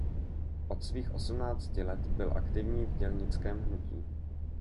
Předmětem ochrany je prameniště vodních pramenů a rozsáhlé vřesoviště evropského významu.